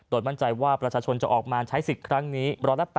มั่นใจว่าประชาชนจะออกมาใช้สิทธิ์ครั้งนี้๑๘๐